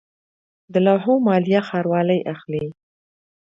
د لوحو مالیه ښاروالۍ اخلي